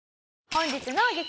本日の激